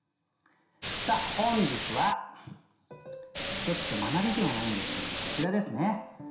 さあ本日はちょっと学びではないんですけどもこちらですね。